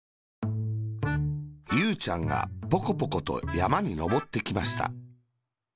ゆうちゃんがポコポコとやまにのぼってきました。